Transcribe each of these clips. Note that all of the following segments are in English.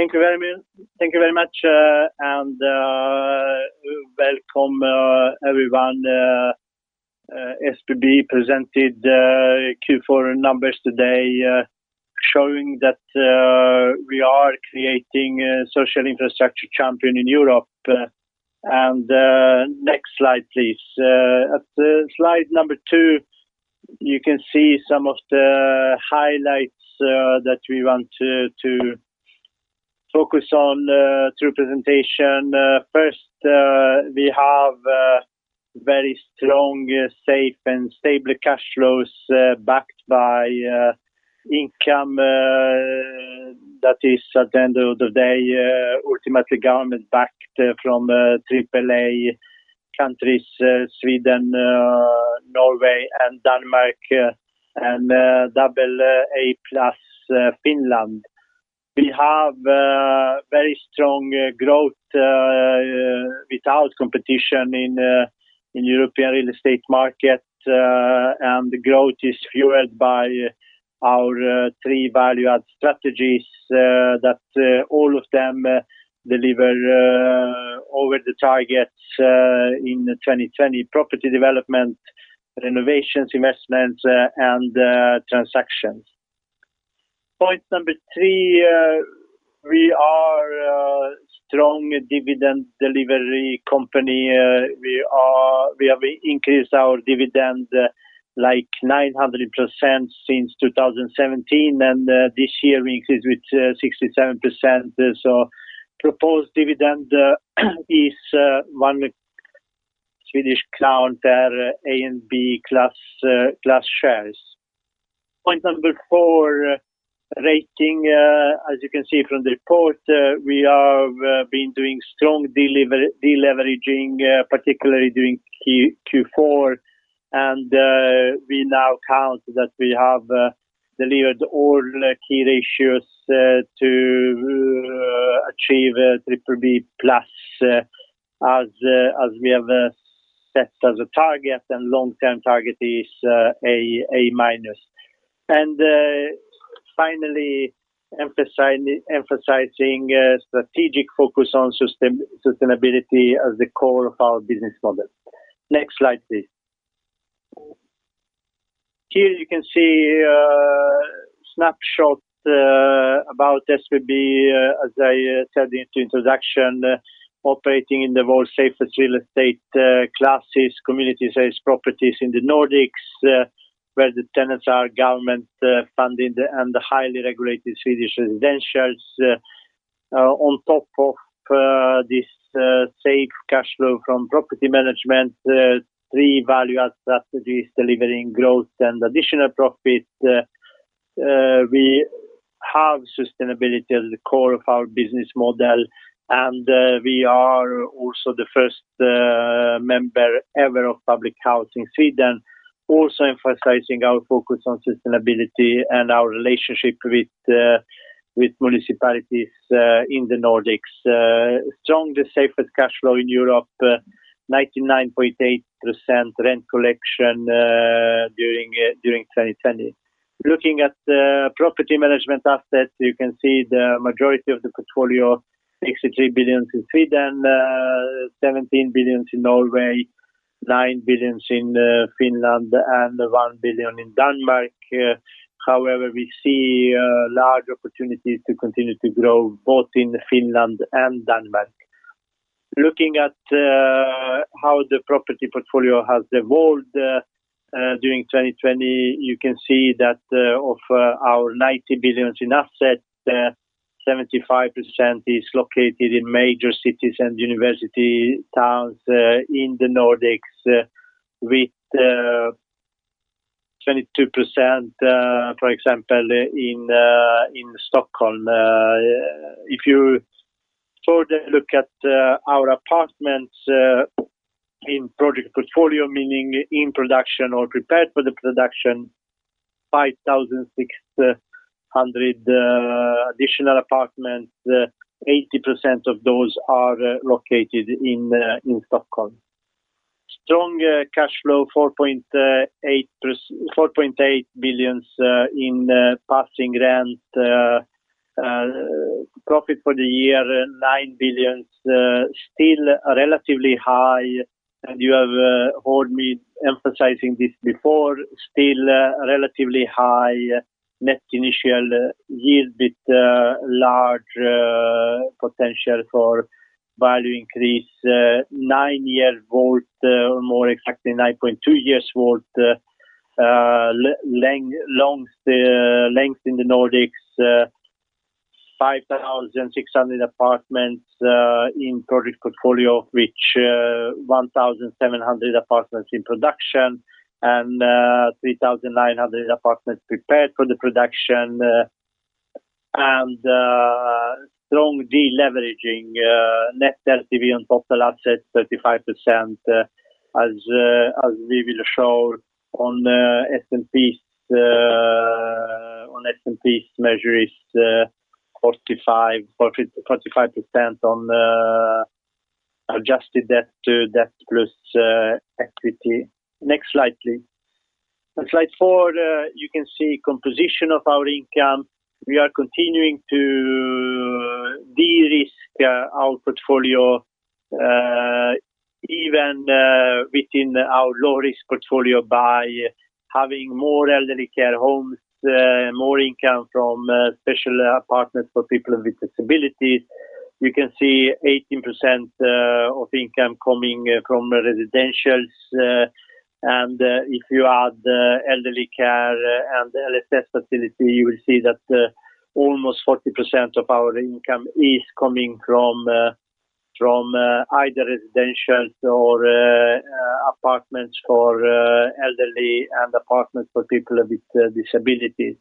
Thank you very much, and welcome everyone. SBB presented Q4 numbers today showing that we are creating a social infrastructure champion in Europe. Next slide, please. At slide number two, you can see some of the highlights that we want to focus on through presentation. First, we have very strong, safe, and stable cash flows backed by income that is, at the end of the day, ultimately government-backed from AAA countries Sweden, Norway, and Denmark, and AA+ Finland. We have very strong growth without competition in European real estate market. The growth is fueled by our three value-add strategies that all of them deliver over the targets in 2020 property development, renovations, investments, and transactions. Point number three, we are a strong dividend delivery company. We have increased our dividend 900% since 2017, and this year we increased with 67%. Proposed dividend is SEK 1 per A and B class shares. Point number four, rating. As you can see from the report, we have been doing strong de-leveraging, particularly during Q4. We now count that we have delivered all key ratios to achieve BBB+ as we have set as a target, and long-term target is A-. Finally, emphasizing strategic focus on sustainability as the core of our business model. Next slide, please. Here you can see a snapshot about SBB. As I said in the introduction, operating in the world's safest real estate classes, community-based properties in the Nordics, where the tenants are government-funded and the highly regulated Swedish residentials. On top of this safe cash flow from property management, three value-add strategies delivering growth and additional profit. We have sustainability at the core of our business model, and we are also the first member ever of Public Housing Sweden, also emphasizing our focus on sustainability and our relationship with municipalities in the Nordics. Strongest, safest cash flow in Europe, 99.8% rent collection during 2020. Looking at the property management assets, you can see the majority of the portfolio, 63 billion in Sweden, 17 billion in Norway, 9 billion in Finland, and 1 billion in Denmark. However, we see large opportunities to continue to grow both in Finland and Denmark. Looking at how the property portfolio has evolved during 2020, you can see that of our 90 billion in assets, 75% is located in major cities and university towns in the Nordics with 22%, for example, in Stockholm. If you further look at our apartments in project portfolio, meaning in production or prepared for the production, 5,600 additional apartments, 80% of those are located in Stockholm. Strong cash flow, 4.8 billion in passing rent. Profit for the year, 9 billion. Still relatively high, and you have heard me emphasizing this before, still relatively high net initial yield with large potential for value increase. Nine-year WAULT, more exactly 9.2 years WAULT length in the Nordics. 5,600 apartments in project portfolio, which 1,700 apartments in production and 3,900 apartments prepared for the production. Strong de-leveraging, net LTV on total assets, 35%, as we will show on S&P's measure is 45% on adjusted debt to debt plus equity. Next slide, please. On slide four, you can see composition of our income. We are continuing to de-risk our portfolio, even within our low-risk portfolio, by having more elderly care homes, more income from special apartments for people with disabilities. You can see 18% of income coming from residentials, and if you add the elderly care and LSS facility, you will see that almost 40% of our income is coming from either residentials or apartments for elderly and apartments for people with disabilities.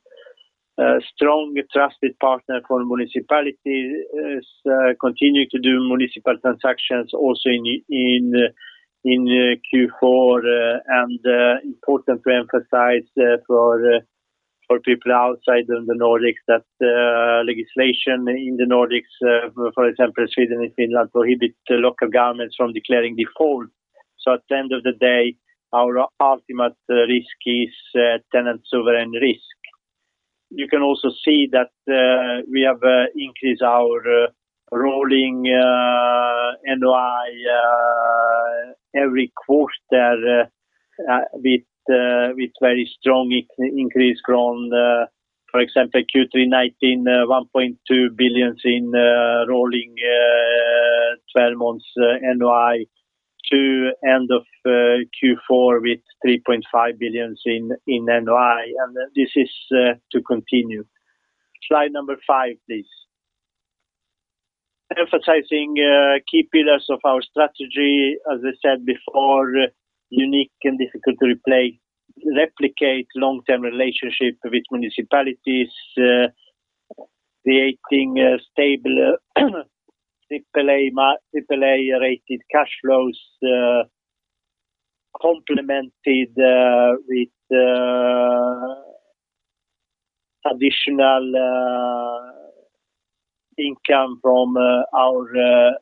Strong trusted partner for municipalities, continuing to do municipal transactions also in Q4, and important to emphasize for people outside the Nordics that legislation in the Nordics, for example, Sweden and Finland, prohibits local governments from declaring default. At the end of the day, our ultimate risk is tenant sovereign risk. You can also see that we have increased our rolling NOI every quarter with very strong increase from, for example, Q3 2019, 1.2 billion in rolling 12 months NOI to end of Q4 with 3.5 billion in NOI. This is to continue. Slide number five, please. Emphasizing key pillars of our strategy, as I said before, unique and difficult to replicate long-term relationship with municipalities, creating stable AAA-rated cash flows complemented with additional income from our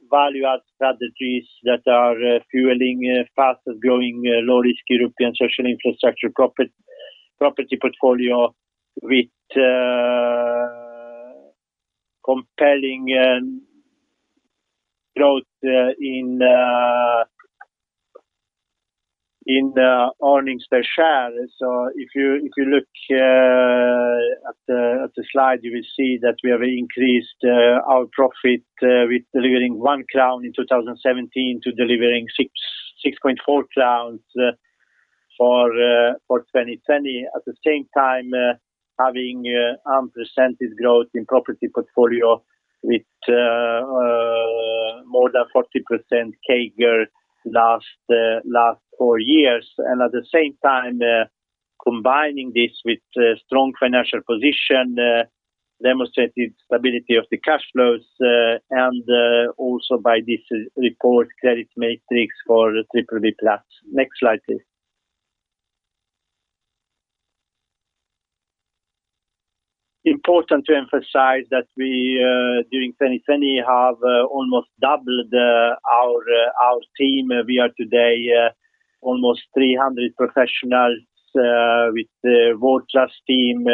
value-add strategies that are fueling fastest growing low-risk European social infrastructure property portfolio with compelling growth in the earnings per share. If you look at the slide, you will see that we have increased our profit with delivering 1 crown in 2017 to delivering 6.4 crowns for 2020. At the same time, having unprecedented growth in property portfolio with more than 40% CAGR last four years. At the same time, combining this with strong financial position, demonstrated stability of the cash flows, and also by this report, credit metrics for BBB+. Next slide, please. Important to emphasize that we, during 2020, have almost doubled our team. We are today almost 300 professionals with world-class team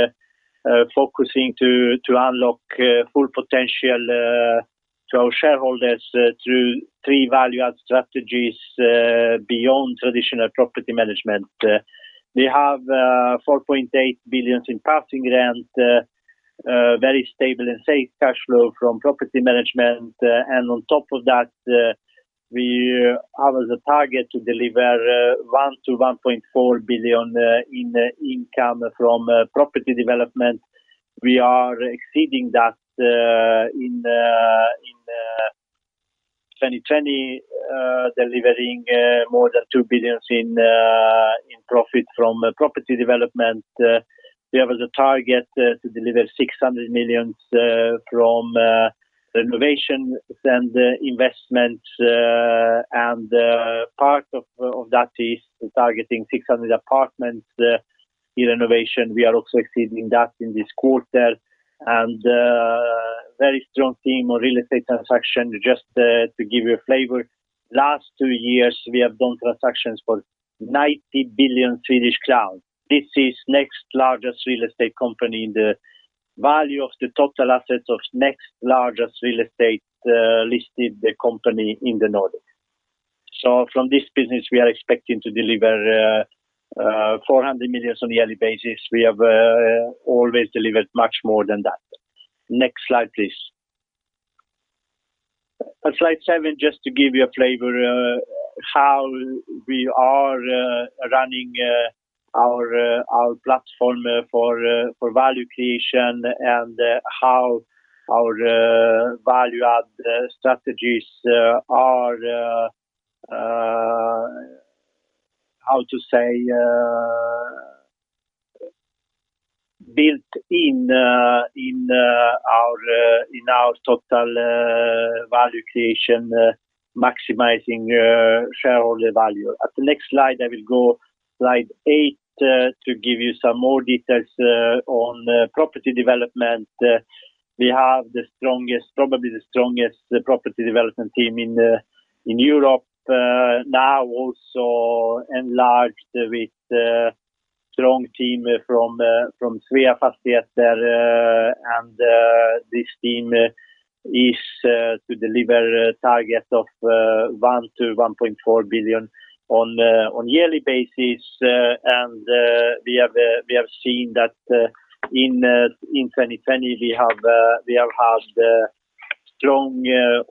focusing to unlock full potential to our shareholders through three value-add strategies beyond traditional property management. We have 4.8 billion in passing rent, very stable and safe cash flow from property management. On top of that, we have as a target to deliver 1 billion-1.4 billion in income from property development. We are exceeding that in 2020, delivering more than 2 billion in profit from property development. We have as a target to deliver 600 million from renovation and investment, and part of that is targeting 600 apartments in renovation. We are also exceeding that in this quarter. A very strong team on real estate transaction. Just to give you a flavor, last two years, we have done transactions for 90 billion Swedish crowns. This is next largest real estate company in the value of the total assets of next largest real estate listed company in the Nordic. From this business, we are expecting to deliver 400 million on a yearly basis. We have always delivered much more than that. Next slide, please. On slide seven, just to give you a flavor how we are running our platform for value creation and how our value-add strategies are, how to say, built in our total value creation, maximizing shareholder value. At the next slide, I will go slide eight to give you some more details on property development. We have probably the strongest property development team in Europe now also enlarged with a strong team from Sveafastigheter. This team is to deliver target of 1 billion-1.4 billion on yearly basis. We have seen that in 2020, we have had strong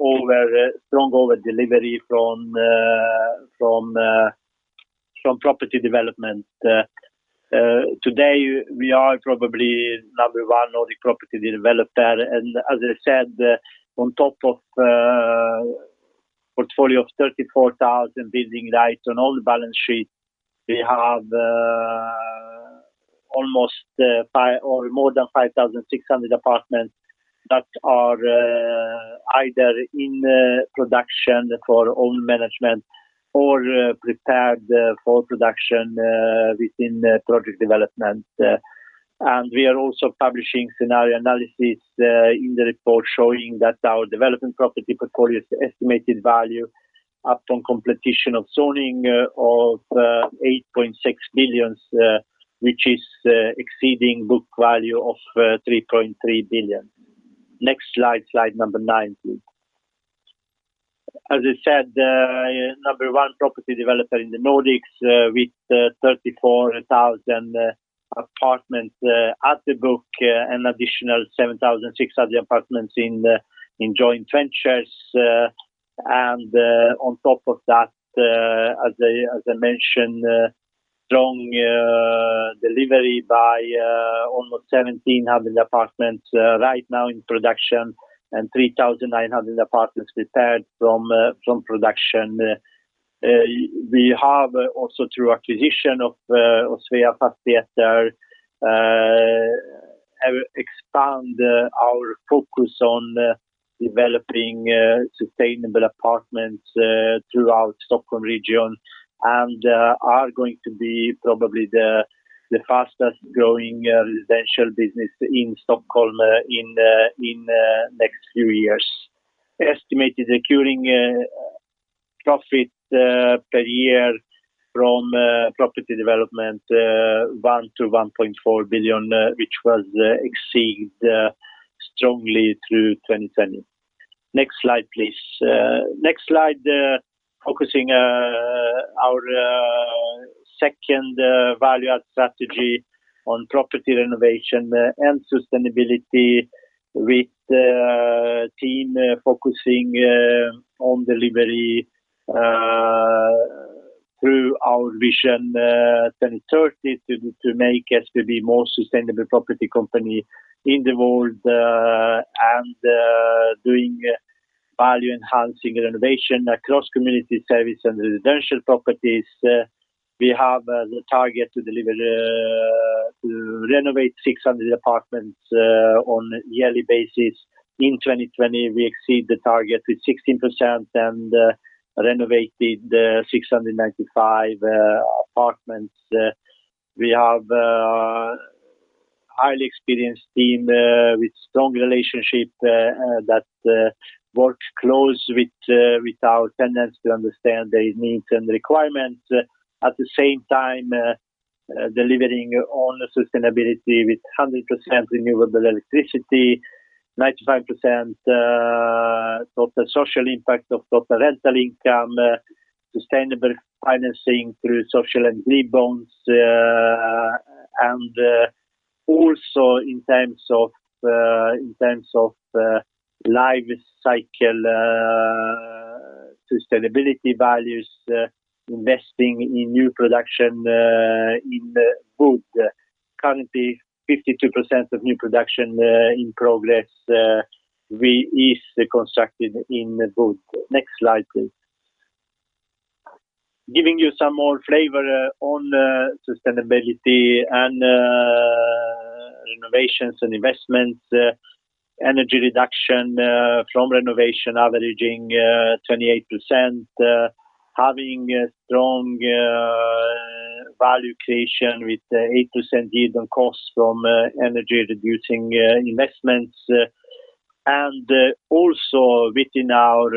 over-delivery from property development. Today, we are probably number one on the property developer. As I said, on top of portfolio of 34,000 building rights on all balance sheets, we have more than 5,600 apartments that are either in production for own management or prepared for production within project development. We are also publishing scenario analysis in the report showing that our development property portfolio estimated value up from competition of zoning of 8.6 billion, which is exceeding book value of 3.3 billion. Next slide number nine, please. As I said, number one property developer in the Nordics with 34,000 apartments at the book, an additional 7,600 apartments in joint ventures. On top of that, as I mentioned, strong delivery by almost 1,700 apartments right now in production and 3,900 apartments prepared from production. We have also, through acquisition of Sveafastigheter, have expand our focus on developing sustainable apartments throughout Stockholm region and are going to be probably the fastest growing residential business in Stockholm in next few years. Estimated accruing profit per year from property development 1 billion-1.4 billion, which was exceeded strongly through 2020. Next slide, please. Next slide, focusing our second value add strategy on property renovation and sustainability with team focusing on delivery through our Vision 2030 to make us to be more sustainable property company in the world, and doing value-enhancing renovation across community service and residential properties. We have the target to renovate 600 apartments on yearly basis. In 2020, we exceed the target with 16% and renovated 695 apartments. We have a highly experienced team with strong relationship that work close with our tenants to understand their needs and requirements. At the same time, delivering on sustainability with 100% renewable electricity, 95% of the social impact of total rental income, sustainable financing through social and green bonds. Also in terms of life cycle sustainability values, investing in new production in wood. Currently 52% of new production in progress is constructed in wood. Next slide, please. Giving you some more flavor on sustainability and renovations and investments. Energy reduction from renovation averaging 28%, having strong value creation with 8% yield on costs from energy-reducing investments. Also within our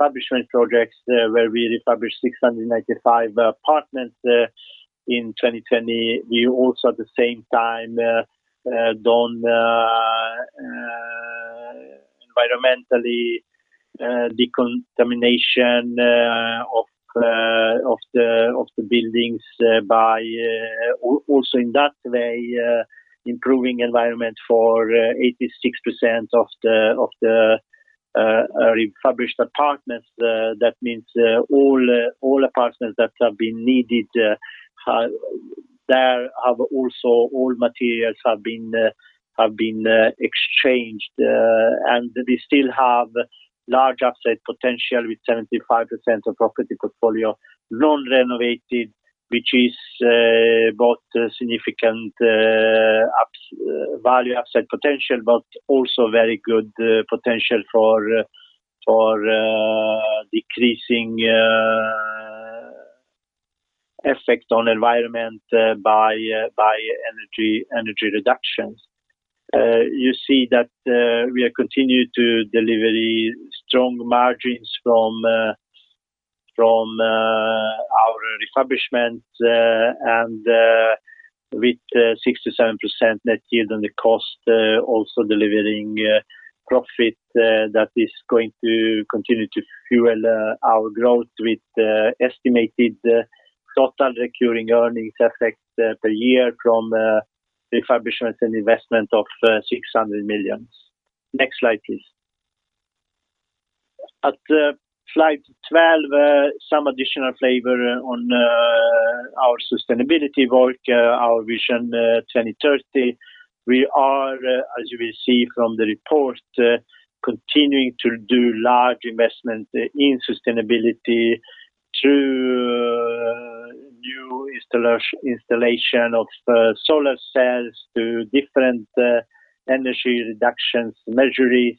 refurbishment projects where we refurbished 695 apartments in 2020. We also at the same time done environmental decontamination of the buildings by also in that way improving the environment for 86% of the refurbished apartments. That means all apartments that have been needed there have also all materials have been exchanged. We still have large upside potential with 75% of property portfolio non-renovated, which is both significant value upside potential but also very good potential for decreasing effect on the environment by energy reductions. You see that we continue to deliver strong margins from our refurbishments, and with 67% net yield on the cost, also delivering profit that is going to continue to fuel our growth with estimated total recurring earnings effect per year from refurbishments and investment of 600 million. Next slide, please. At slide 12, some additional flavor on our sustainability work, our Vision 2030. We are, as you will see from the report, continuing to do large investment in sustainability through new installation of solar cells to different energy reductions measures,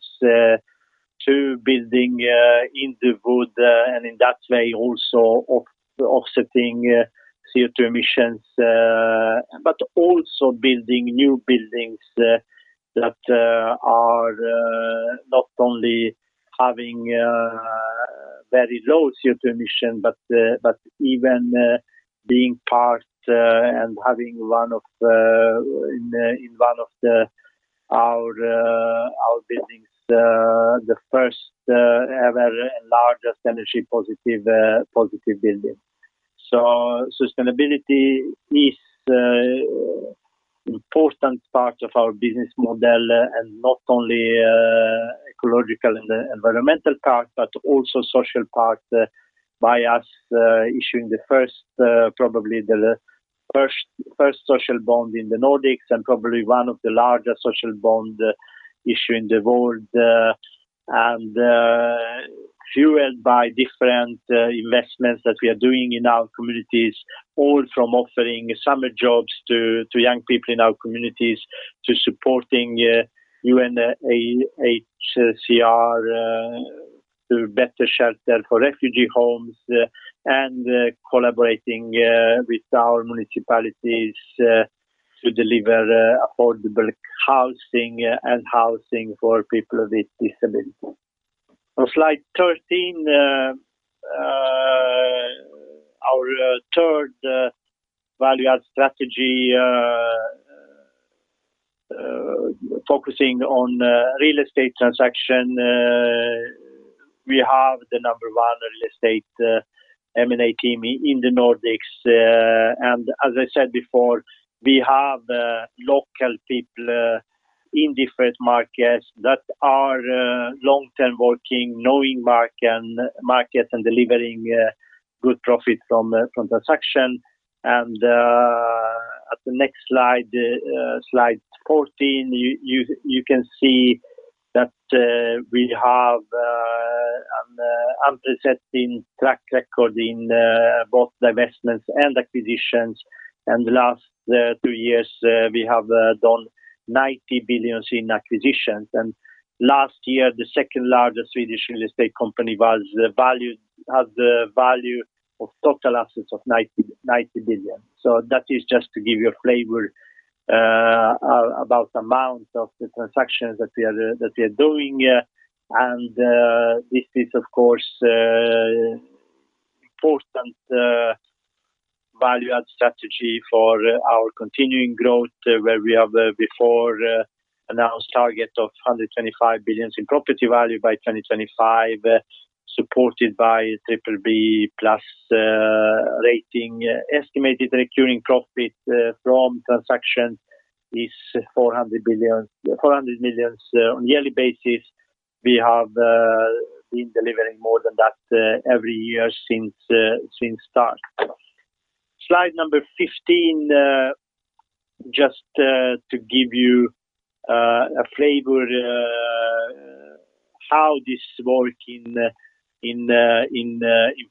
to building in the wood, and in that way also offsetting CO2 emissions. Also building new buildings that are not only having very low CO2 emission, but even being part and having one of our buildings the first ever and largest energy positive building. Sustainability is important part of our business model, and not only ecological and environmental part, but also social part by us issuing probably the first social bond in the Nordics and probably one of the largest social bond issued in the world. Fueled by different investments that we are doing in our communities, all from offering summer jobs to young people in our communities, to supporting UNHCR to better shelter for refugee homes, and collaborating with our municipalities to deliver affordable housing and housing for people with disabilities. On slide 13, our third value add strategy focusing on real estate transaction. We have the number one real estate M&A team in the Nordics. As I said before, we have local people in different markets that are long-term working, knowing markets, and delivering good profit from transaction. At the next slide 14, you can see that we have an unprecedented track record in both divestments and acquisitions. In the last two years, we have done 90 billion in acquisitions, and last year, the second-largest Swedish real estate company has the value of total assets of 90 billion. That is just to give you a flavor about amount of the transactions that we are doing. This is, of course, important value-add strategy for our continuing growth, where we have before announced target of 125 billion in property value by 2025, supported by BBB+ rating. Estimated recurring profit from transaction is 400 million on yearly basis. We have been delivering more than that every year since start. Slide number 15, just to give you a flavor how this work in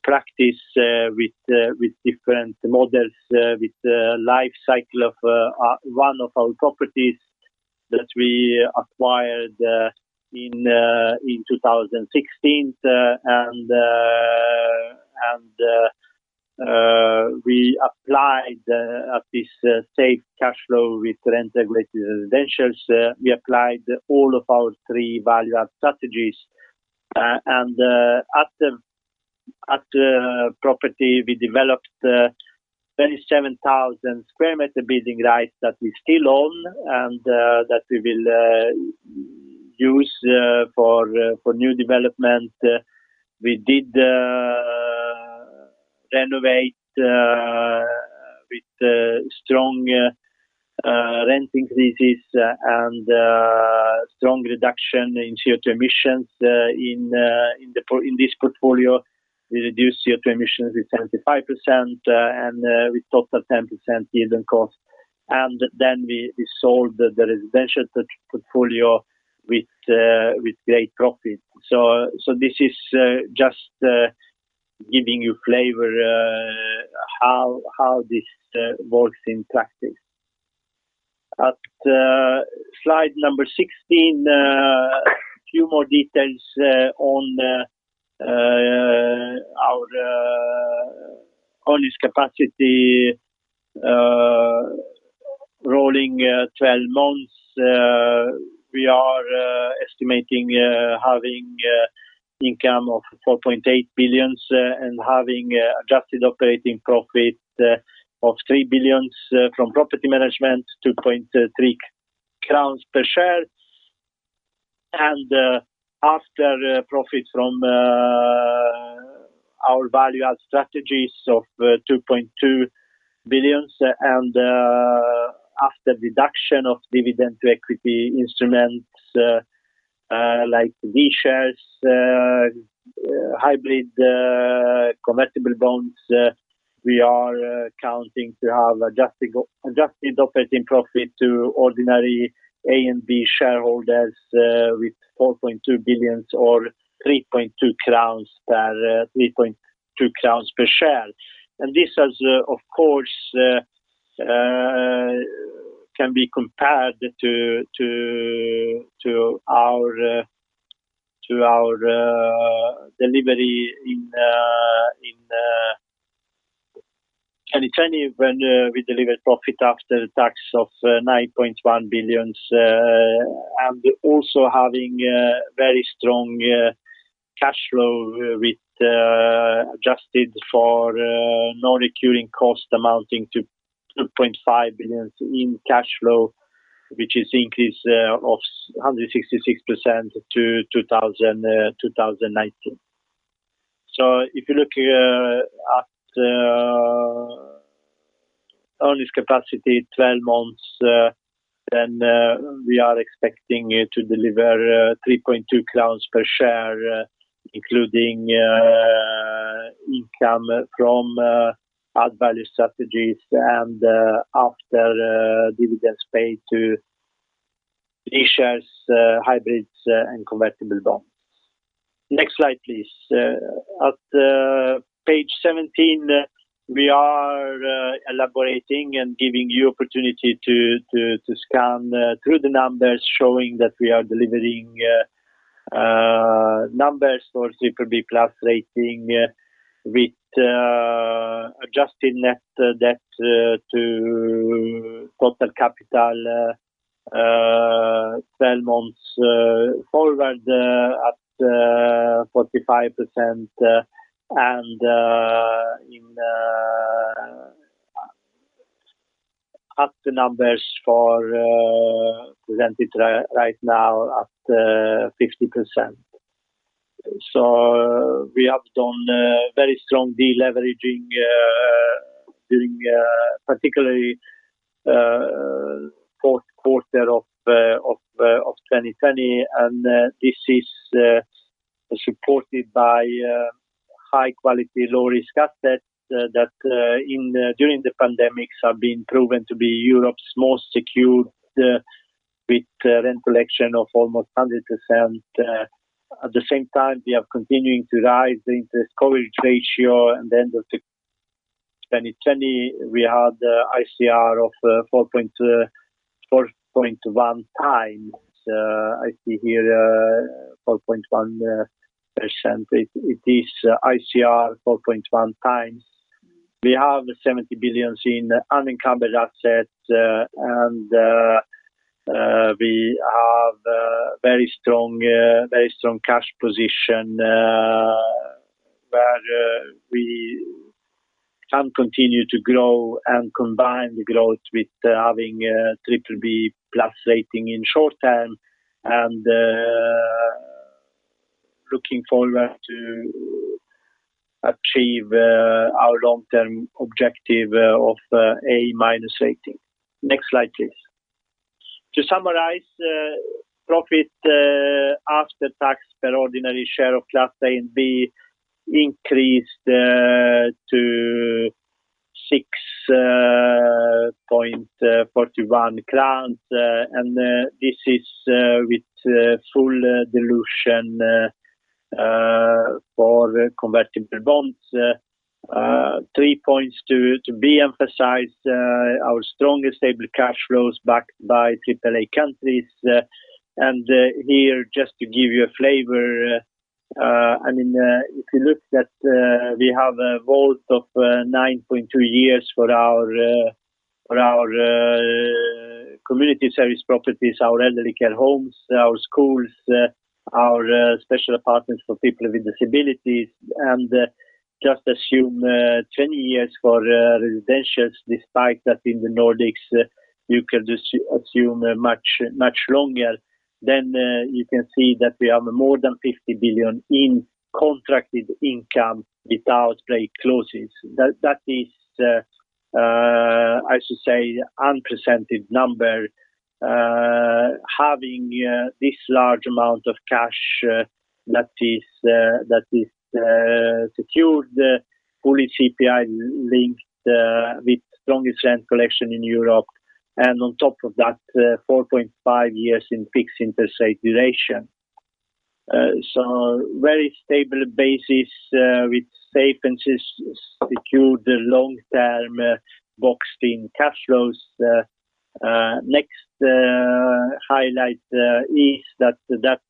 practice with different models, with life cycle of one of our properties that we acquired in 2016. We applied at this safe cash flow with rent-integrated residentials. We applied all of our three value-add strategies. At property, we developed 27,000 sq m building rights that we still own, and that we will use for new development. We did renovate with strong rent increases and strong reduction in CO2 emissions in this portfolio. We reduced CO2 emissions with 75% and with total 10% yield on cost. We sold the residential portfolio with great profit. This is just giving you flavor how this works in practice. At slide number 16, a few more details on our earnings capacity. Rolling 12 months, we are estimating having income of 4.8 billion and having adjusted operating profit of 3 billion from property management, 2.3 crowns per share. After profit from our value add strategies of 2.2 billion and after deduction of dividend to equity instruments like B shares, hybrid convertible bonds, we are counting to have adjusted operating profit to ordinary A and B shareholders with 4.2 billion or 3.2 crowns per share. This of course can be compared to our delivery in 2020 when we delivered profit after tax of 9.1 billion. Also having very strong cash flow with adjusted for non-recurring cost amounting to 2.5 billion in cash flow, which is increase of 166% to 2019. If you look here at earnings capacity 12 months, we are expecting to deliver 3.2 crowns per share, including income from add value strategies and after dividends paid to B shares, hybrids and convertible bonds. Next slide, please. At page 17, we are elaborating and giving you opportunity to scan through the numbers, showing that we are delivering numbers for BBB+ rating with adjusted net debt to total capital 12 months forward at 45% and at the numbers for presented right now at 50%. We have done very strong deleveraging during particularly fourth quarter of 2020, and this is supported by high quality, low-risk assets that during the pandemic have been proven to be Europe's most secured with rent collection of almost 100%. At the same time, we are continuing to rise the coverage ratio at the end of 2020, we had ICR of 4.1x. I see here 4.1%. It is ICR 4.1x. We have 70 billions in unencumbered assets, and we have very strong cash position, where we can continue to grow and combine the growth with having BBB+ rating in short term and looking forward to achieve our long-term objective of A- rating. Next slide, please. To summarize, profit after tax per ordinary share of class A and B increased to 6.41 crowns, and this is with full dilution for convertible bonds. Three points to be emphasized, our strongest stable cash flows backed by AAA countries. Here, just to give you a flavor, if you look that we have a WAULT of 9.2 years for our community service properties, our elderly care homes, our schools, our special apartments for people with disabilities, and just assume 20 years for residentials, despite that in the Nordics, you can assume much longer. You can see that we have more than 50 billion in contracted income without break clauses. That is, I should say, unprecedented number, having this large amount of cash that is secured fully CPI-linked with strongest rent collection in Europe, and on top of that, 4.5 years in fixed interest rate duration. Very stable basis with safe and secured long-term boxed-in cash flows. Next highlight is that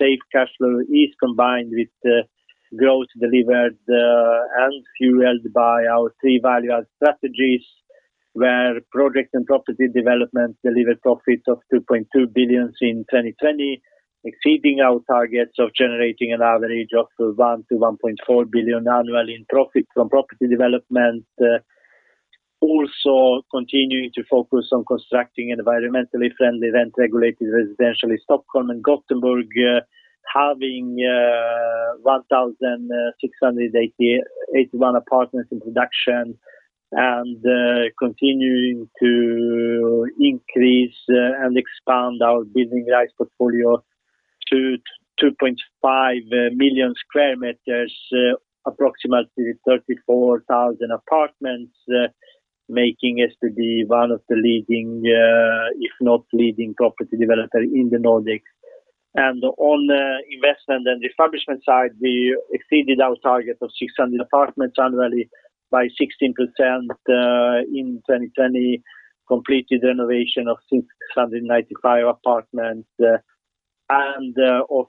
safe cash flow is combined with growth delivered and fueled by our three value-add strategies, where projects and property development delivered profits of 2.2 billion in 2020, exceeding our targets of generating an average of 1 billion-1.4 billion annually in profit from property development. Continuing to focus on constructing environmentally friendly rent-regulated residential in Stockholm and Gothenburg, having 1,681 apartments in production and continuing to increase and expand our building rights portfolio to 2.5 million sq m, approximately 34,000 apartments, making us to be one of the leading, if not leading property developer in the Nordics. On the investment and refurbishment side, we exceeded our target of 600 apartments annually by 16% in 2020, completed renovation of 695 apartments. Of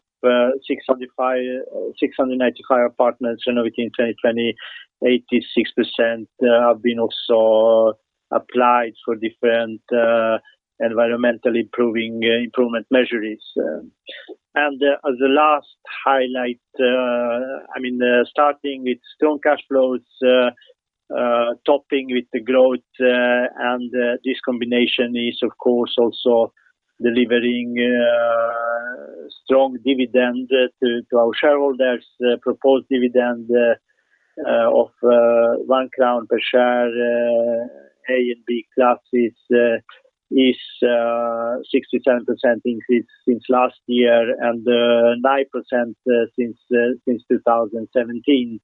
695 apartments renovated in 2020, 86% have been also applied for different environmental improvement measures. The last highlight, starting with strong cash flows, topping with the growth, and this combination is of course also delivering strong dividend to our shareholders. Proposed dividend of 1 crown per share A and B shares is 67% increase since last year and 9% since 2017.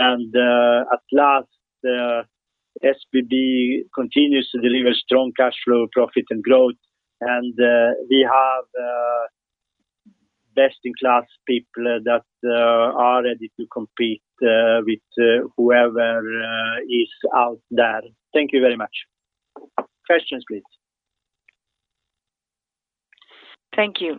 At last, SBB continues to deliver strong cash flow, profit, and growth. We have best-in-class people that are ready to compete with whoever is out there. Thank you very much. Questions, please. Thank you.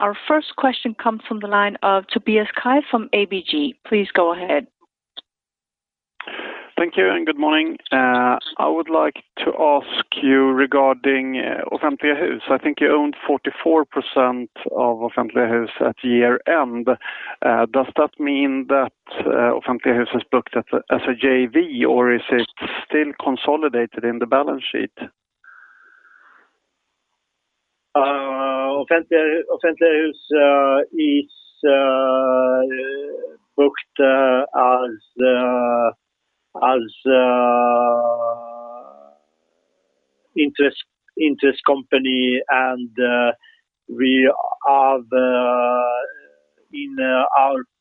Our first question comes from the line of Tobias Cutt from ABG. Please go ahead. Thank you and good morning. I would like to ask you regarding Offentliga Hus. I think you owned 44% of Offentliga Hus at year-end. Does that mean that Offentliga Hus is booked as a JV, or is it still consolidated in the balance sheet? Offentliga Hus is booked as interest company, our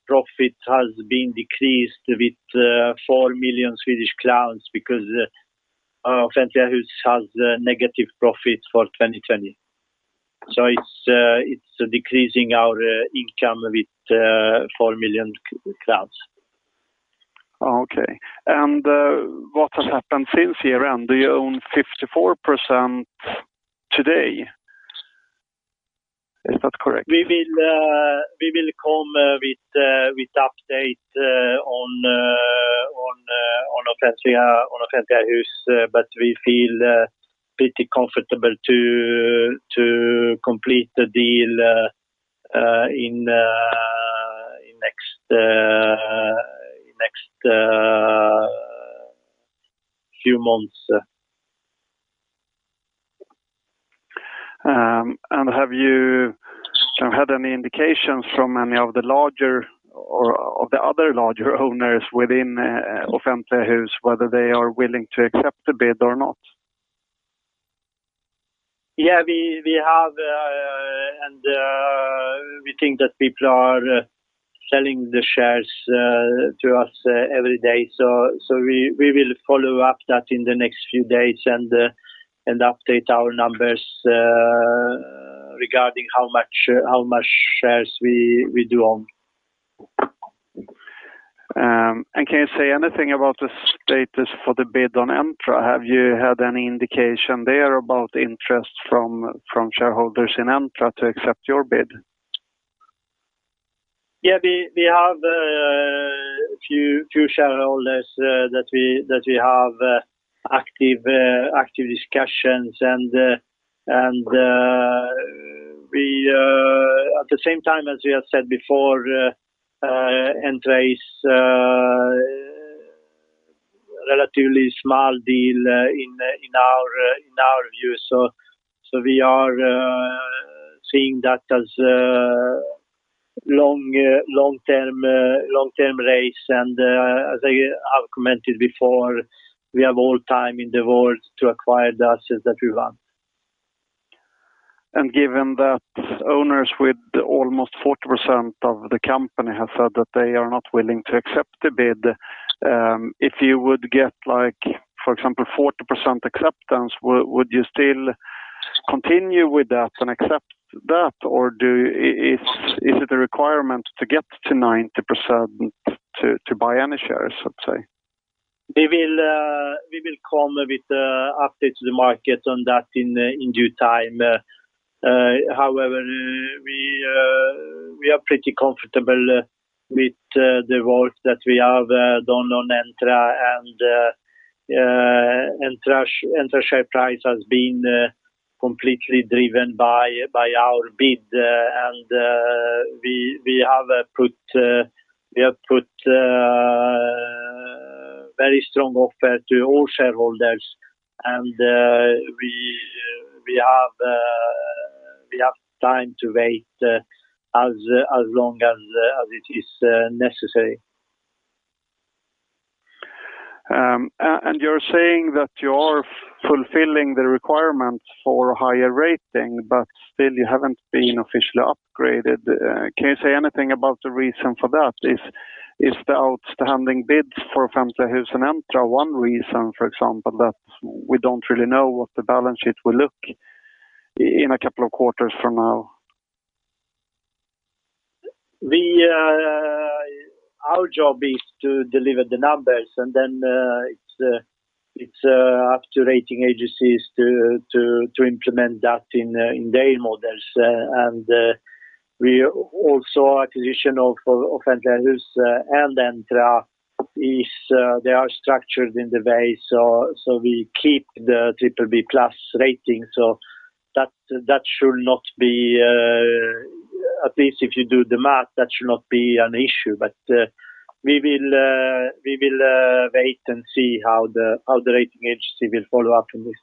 profit has been decreased with 4 million Swedish crowns because Offentliga Hus has negative profits for 2020. It's decreasing our income with 4 million crowns. Okay. What has happened since year-end? Do you own 54% today? Is that correct? We will come with update on Offentliga Hus, but we feel pretty comfortable to complete the deal in next few months. Have you had any indications from any of the larger or of the other larger owners within Offentliga Hus whether they are willing to accept the bid or not? Yeah, we have, and we think that people are selling the shares to us every day. We will follow up that in the next few days and update our numbers regarding how much shares we do own. Can you say anything about the status for the bid on Entra? Have you had any indication there about interest from shareholders in Entra to accept your bid? Yeah, we have a few shareholders that we have active discussions and at the same time, as we have said before, Entra is a relatively small deal in our view. We are seeing that as long-term race, and as I have commented before, we have all time in the world to acquire the assets that we want. Given that owners with almost 40% of the company have said that they are not willing to accept the bid, if you would get, for example, 40% acceptance, would you still continue with that and accept that? Is it a requirement to get to 90% to buy any shares, let's say? We will come with updates to the market on that in due time. We are pretty comfortable with the work that we have done on Entra, and Entra share price has been completely driven by our bid. We have put a very strong offer to all shareholders, and we have time to wait as long as it is necessary. You're saying that you are fulfilling the requirements for a higher rating, but still you haven't been officially upgraded. Can you say anything about the reason for that? Is the outstanding bids for Offentliga Hus and Entra one reason, for example, that we don't really know what the balance sheet will look in a couple of quarters from now? Our job is to deliver the numbers, and then it's up to rating agencies to implement that in their models. Also acquisition of Entra Hus and Entra, they are structured in the way, so we keep the BBB+ rating. That should not be, at least if you do the math, that should not be an issue. We will wait and see how the rating agency will follow up on this.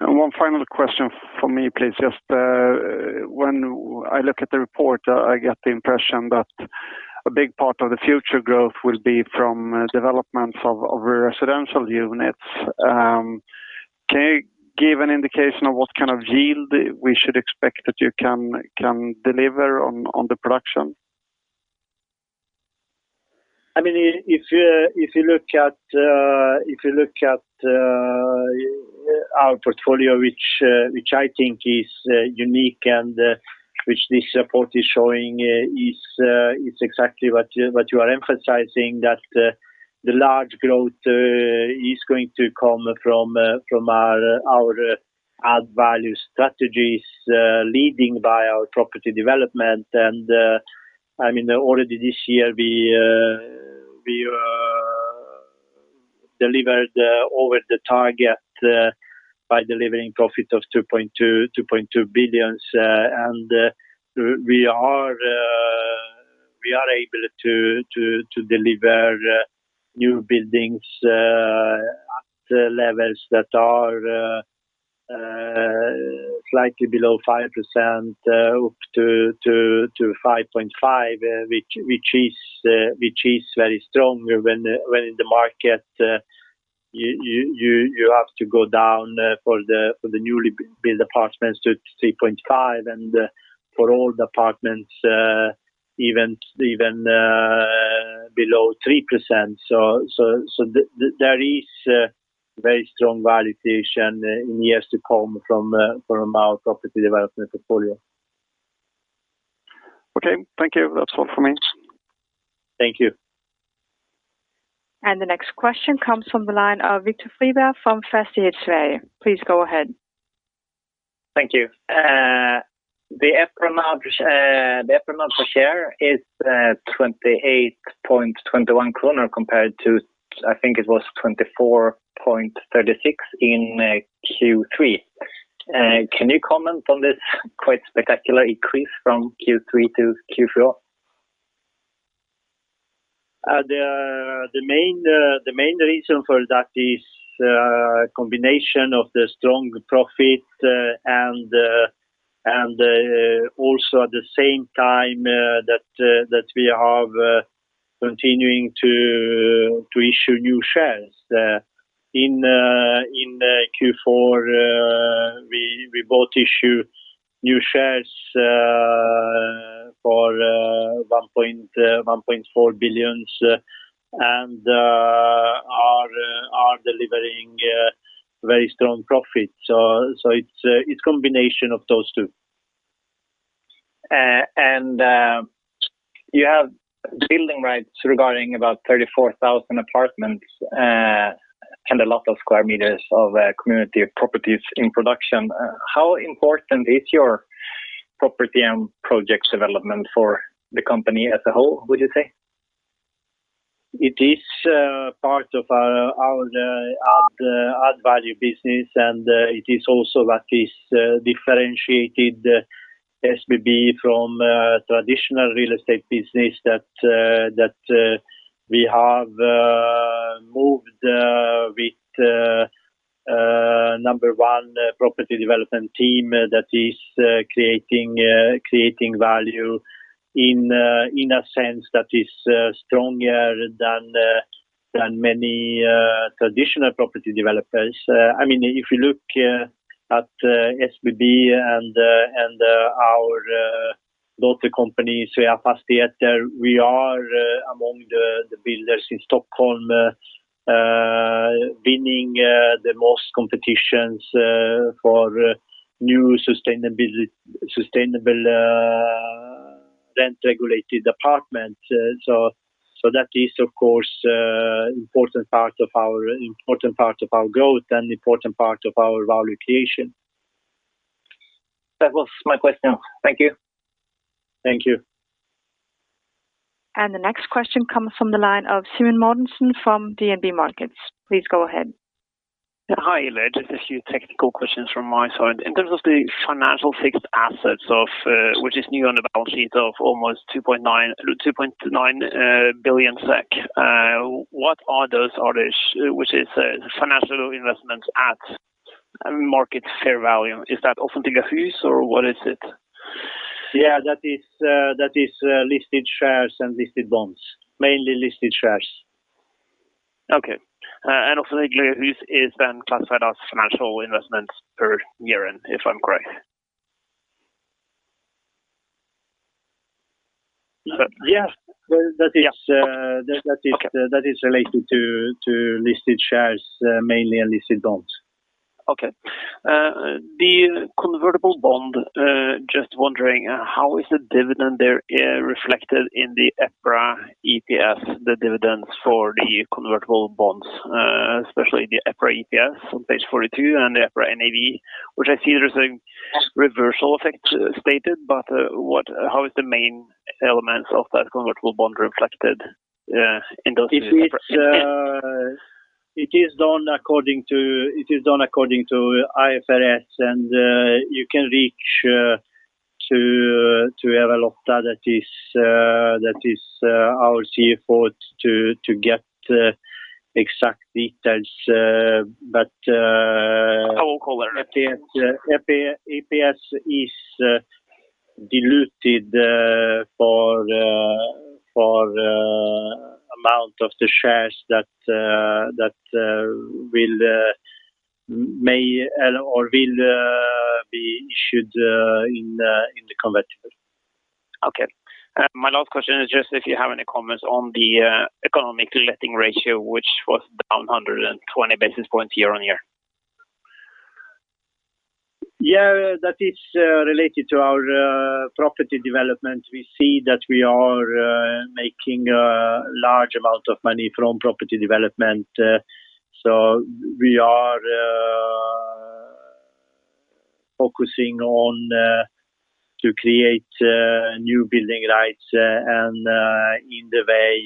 One final question from me, please. Just when I look at the report, I get the impression that a big part of the future growth will be from developments of residential units. Can you give an indication of what kind of yield we should expect that you can deliver on the production? If you look at our portfolio, which I think is unique and which this report is showing, is exactly what you are emphasizing, that the large growth is going to come from our add-value strategies leading by our property development. Already this year, we delivered over the target by delivering profit of 2.2 billion. We are able to deliver new buildings at levels that are slightly below 5% up to 5.5%, which is very strong when in the market you have to go down for the newly built apartments to 3.5%, and for old apartments even below 3%. There is very strong validation in years to come from our property development portfolio. Okay, thank you. That's all from me. Thank you. The next question comes from the line of Viktor Fribo from Fastighetsvärlden. Please go ahead. Thank you. The EPRA NAV per share is 28.21 kronor compared to, I think it was 24.36 in Q3. Can you comment on this quite spectacular increase from Q3 to Q4? The main reason for that is combination of the strong profit and also at the same time that we are continuing to issue new shares. In Q4, we both issue new shares for SEK 1.4 billion and are delivering very strong profits. It's combination of those two. You have building rights regarding about 34,000 apartments and a lot of square meters of community properties in production. How important is your property and projects development for the company as a whole, would you say? It is part of our add-value business, it is also what is differentiated SBB from traditional real estate business that we have moved with number one property development team that is creating value in a sense that is stronger than many traditional property developers. If you look at SBB and our daughter company, Sveafastigheter, we are among the builders in Stockholm winning the most competitions for new sustainable rent-regulated apartments. That is of course an important part of our growth and important part of our value creation. That was my question. Thank you. Thank you. The next question comes from the line of Simon Mortensen from DNB Markets. Please go ahead. Hi Ilija. Just a few technical questions from my side. In terms of the financial fixed assets, which is new on the balance sheet of almost 2.9 billion SEK. What are those, are they, which is financial investments at market fair value? Is that Offentliga Hus or what is it? Yeah, that is listed shares and listed bonds, mainly listed shares. Okay. Offentliga Hus is then classified as financial investments per year-end if I'm correct? Yeah. That is related to listed shares, mainly unlisted bonds. Okay. The convertible bond, just wondering how is the dividend there reflected in the EPRA EPS, the dividends for the convertible bonds, especially the EPRA EPS on page 42 and the EPRA NAV, which I see there's a reversal effect stated, but how is the main elements of that convertible bond reflected in those two? It is done according to IFRS, and you can reach to Eva-Lotta, that is our CFO to get exact details. I will call her. EPS is diluted for amount of the shares that may or will be issued in the convertible. Okay. My last question is just if you have any comments on the economic letting ratio, which was down 120 basis points year-on-year. Yeah, that is related to our property development. We see that we are making a large amount of money from property development. We are focusing on to create new building rights and in the way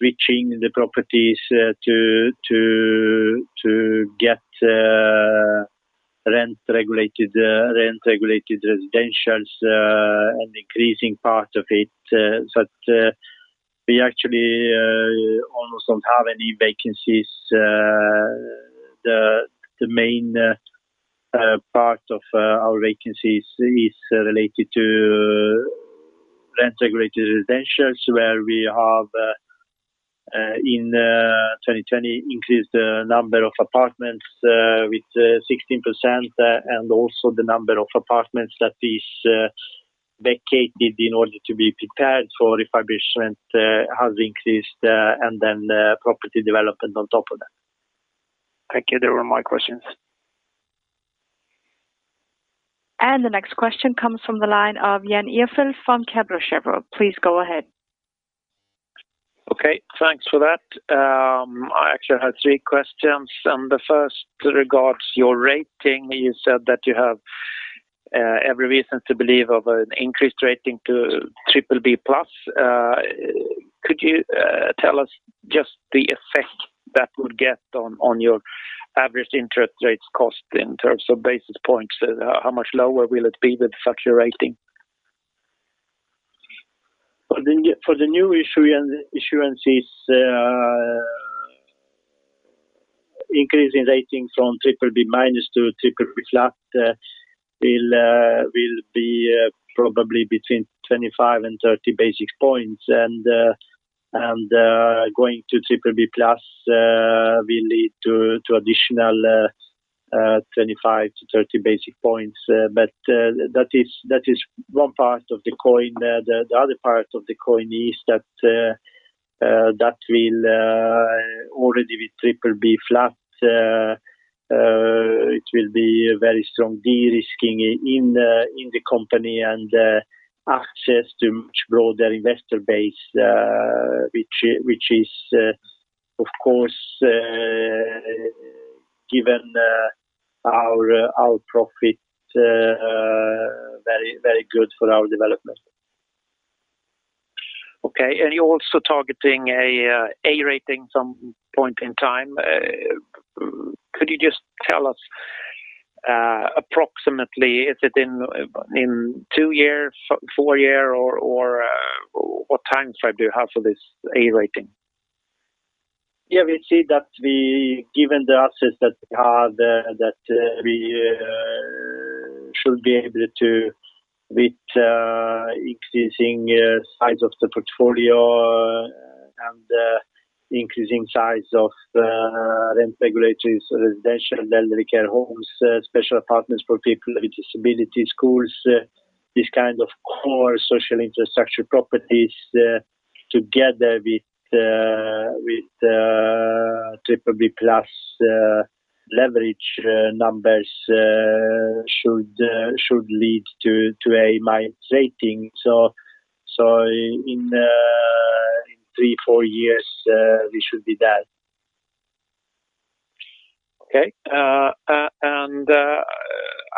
switching the properties to get rent-regulated residentials and increasing part of it. We actually almost don't have any vacancies. The main part of our vacancies is related to rent-regulated residentials, where we have in 2020 increased the number of apartments with 16% and also the number of apartments that is vacated in order to be prepared for refurbishment has increased property development on top of that. Thank you. They were my questions. The next question comes from the line of Jan Ihrfelt from Kepler Cheuvreux. Please go ahead. Okay. Thanks for that. I actually had three questions. The first regards your rating. You said that you have every reason to believe of an increased rating to BBB+. Could you tell us just the effect that would get on your average interest rates cost in terms of basis points? How much lower will it be with such a rating? For the new insurances increase in rating from BBB- to BBB will be probably between 25 and 30 basis points and going to BBB+ will lead to additional 25 to 30 basis points. That is one part of the coin. The other part of the coin is that will already be BBB. It will be a very strong de-risking in the company and access to much broader investor base, which is of course given our profit very good for our development. Okay. You're also targeting an A rating some point in time. Could you just tell us approximately is it in two years, four year or what time frame do you have for this A rating? Yeah, we see that given the assets that we have, that we should be able to beat increasing size of the portfolio and increasing size of rent-regulated residential elderly care homes, special apartments for people with disabilities, schools, these kinds of core social infrastructure properties together with BBB+ leverage numbers should lead to A- rating. In three, four years we should be there. Okay.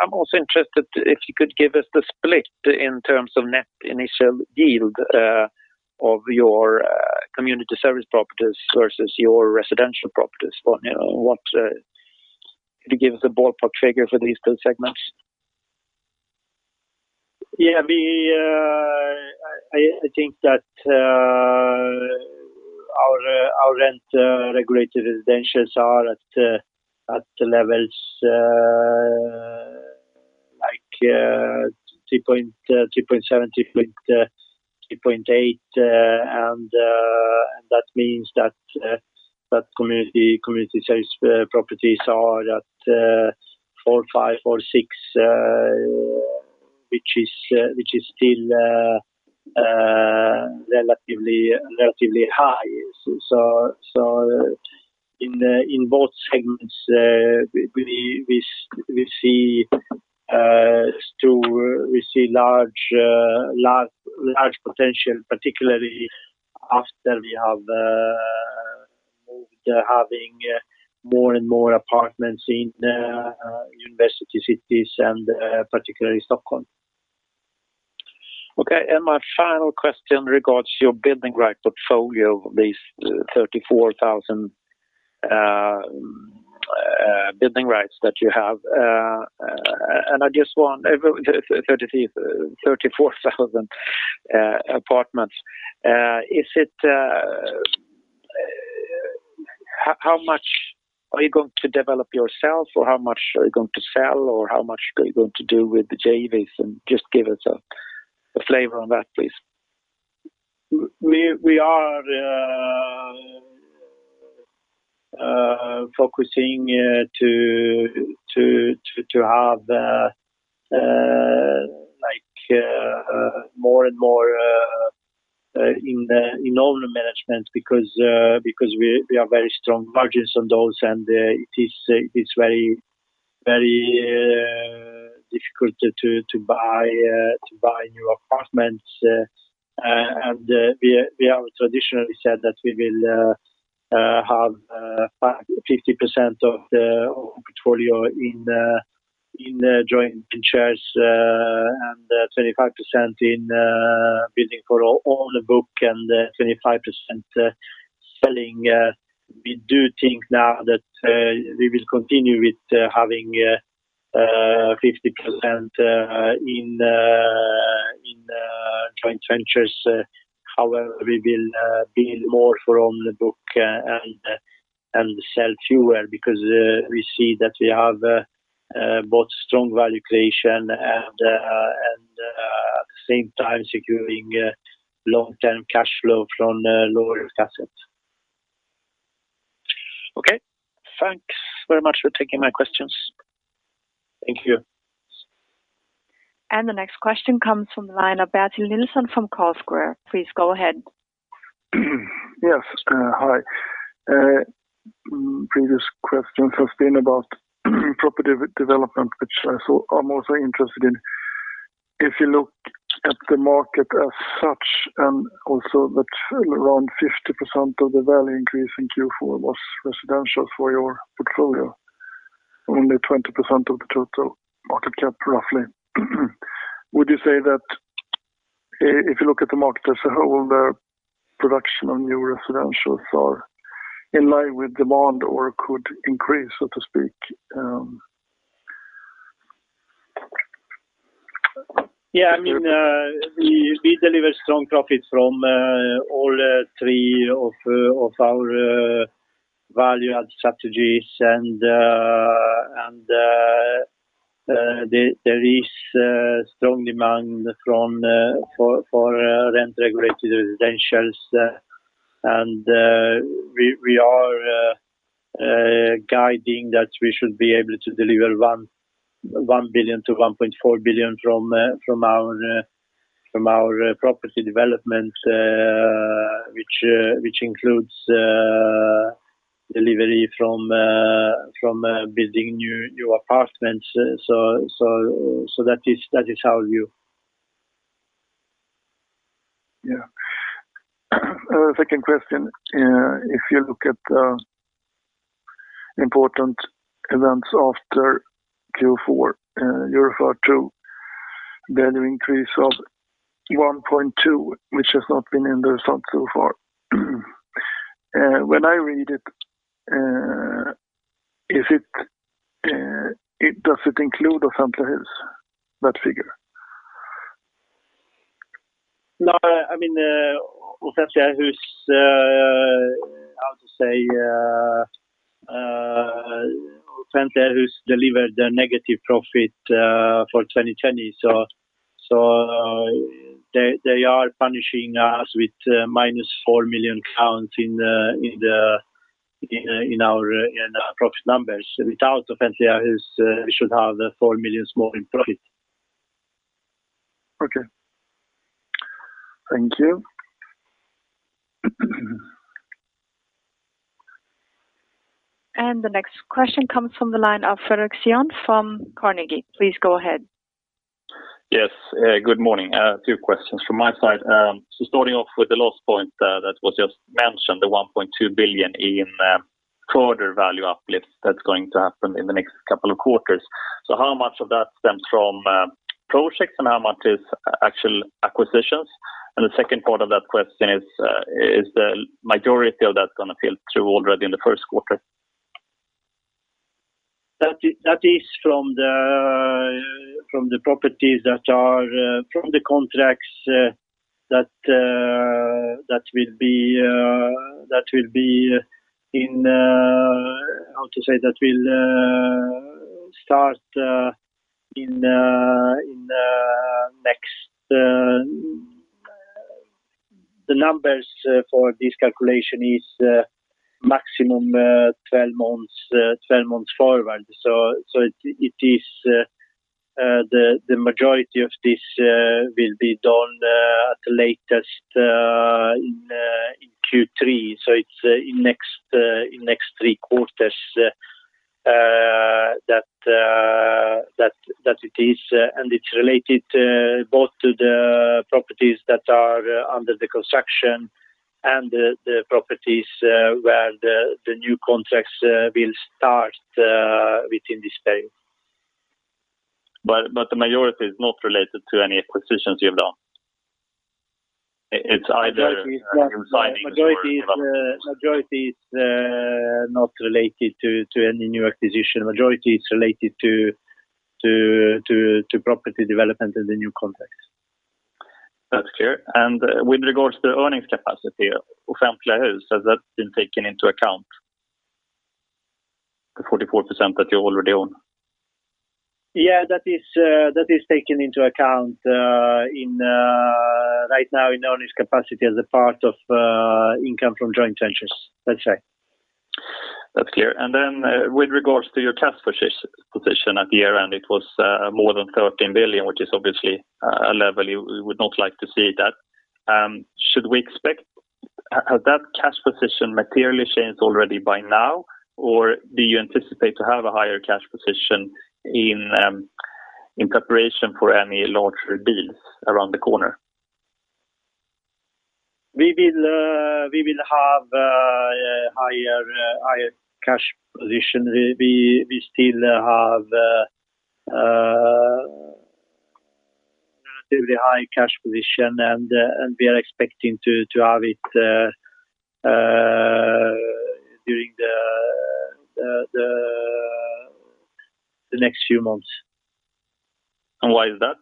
I'm also interested if you could give us the split in terms of net initial yield of your community service properties versus your residential properties. Could you give us a ballpark figure for these two segments? Yeah. I think that our rent regulated residentials are at levels like 3.7, 3.8, and that means that community service properties are at 4.5, 4.6, which is still relatively high. In both segments we see large potential, particularly after we have moved having more and more apartments in university cities and particularly Stockholm. Okay. My final question regards your building right portfolio of these 34,000 building rights that you have. I just want 34,000 apartments. How much are you going to develop yourself, or how much are you going to sell, or how much are you going to do with the JVs, and just give us a flavor on that, please. We are focusing to have more and more in the normal management because we have very strong margins on those, and it is very difficult to buy new apartments. We have traditionally said that we will have 50% of the portfolio in joint ventures and 25% in building for on the book and 25% selling. We do think now that we will continue with having 50% in joint ventures. However, we will build more from the book and sell fewer because we see that we have both strong value creation and at the same time securing long-term cash flow from lower assets. Okay. Thanks very much for taking my questions. Thank you. The next question comes from the line of Bertil Nilsson from Carlsquare. Please go ahead. Yes. Hi. Previous questions have been about property development, which I'm also interested in. If you look at the market as such and also that around 50% of the value increase in Q4 was residential for your portfolio, only 20% of the total market cap roughly. Would you say that if you look at the market as a whole, the production of new residentials are in line with demand or could increase, so to speak? Yeah. We deliver strong profit from all three of our value add strategies and there is strong demand for rent-regulated residentials. We are guiding that we should be able to deliver 1 billion-1.4 billion from our property development which includes delivery from building new apartments. That is our view. Yeah. Second question. If you look at important events after Q4, you refer to value increase of 1.2, which has not been in the result so far. When I read it, does it include the sample house, that figure? No. Offentliga Hus delivered a negative profit for 2020. They are punishing us with -4 million in our profit numbers. Without Offentliga Hus we should have 4 million more in profit. Okay. Thank you. The next question comes from the line of Fredrik Stråle from Carnegie. Please go ahead. Yes. Good morning. Two questions from my side. Starting off with the last point that was just mentioned, the 1.2 billion in quarter value uplift that's going to happen in the next couple of quarters. How much of that stems from projects and how much is actual acquisitions? The second part of that question is the majority of that going to fill through already in the first quarter? That is from the properties that are from the contracts that will start in the next. The numbers for this calculation is maximum 12 months forward. The majority of this will be done at the latest in Q3. It's in the next three quarters that it is. It's related both to the properties that are under the construction and the properties where the new contracts will start within this period. The majority is not related to any acquisitions you have done. It's either resigning- Majority is not related to any new acquisition. Majority is related to property development in the new contracts. That's clear. With regards to earnings capacity, Offentliga Hus, has that been taken into account? The 44% that you already own. Yeah, that is taken into account right now in earnings capacity as a part of income from joint ventures, let's say. That's clear. With regards to your cash position at year-end, it was more than 13 billion, which is obviously a level you would not like to see that. Has that cash position materially changed already by now? Do you anticipate to have a higher cash position in preparation for any larger deals around the corner? We will have a higher cash position. We still have a relatively high cash position. We are expecting to have it during the next few months. Why is that?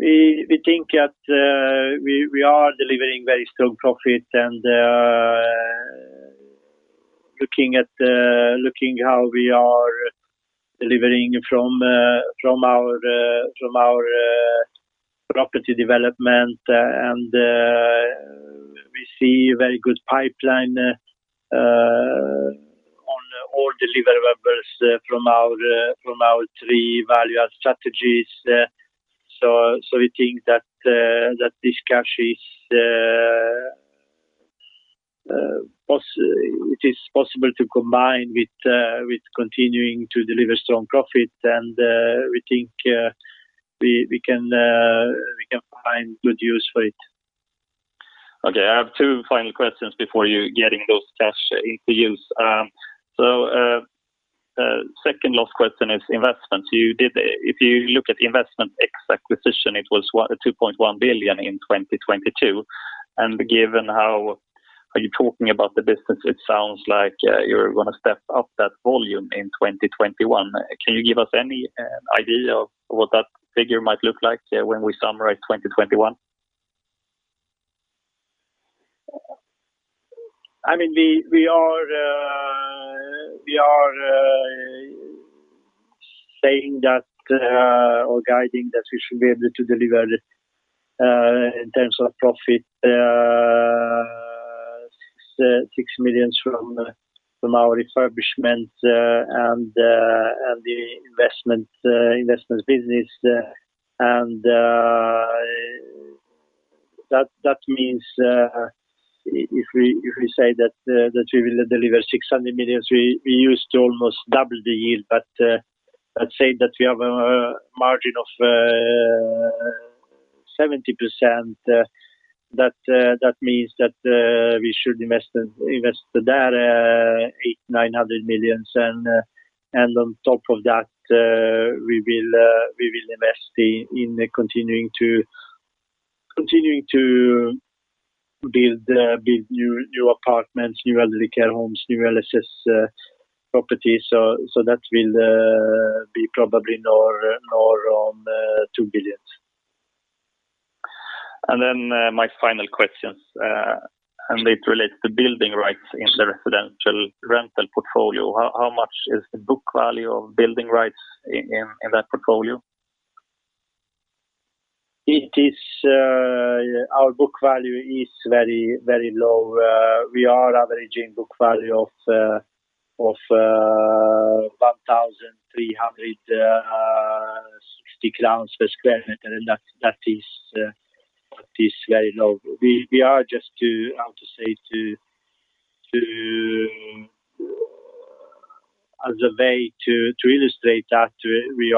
We think that we are delivering very strong profit and looking how we are delivering from our property development. We see a very good pipeline on all deliverables from our three value-add strategies. We think that this cash it is possible to combine with continuing to deliver strong profit. We think we can find good use for it. Okay. I have two final questions before you getting those cash into use. Second last question is investments. If you look at the investment ex-acquisition, it was 2.1 billion in 2022. Given how are you talking about the business, it sounds like you're going to step up that volume in 2021. Can you give us any idea of what that figure might look like when we summarize 2021? We are saying that or guiding that we should be able to deliver in terms of profit SEK 600 million from our refurbishment and the investments business. That means if we say that we will deliver 600 million, we use to almost double the yield. Let's say that we have a margin of 70%. That means that we should invest there 800 million, 900 million. On top of that we will invest in continuing to build new apartments, new elderly care homes, new LSS properties. That will be probably north of 2 billion. My final question, and it relates to building rights in the residential rental portfolio. How much is the book value of building rights in that portfolio? Our book value is very low. We are averaging book value of 1,360 crowns per sq m. That is very low. As a way to illustrate that, we